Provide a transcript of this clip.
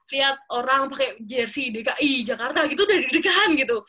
lihat orang pakai jersey dki jakarta gitu udah deg degan gitu